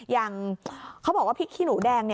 อย่างเขาบอกว่าพริกขี้หนูแดง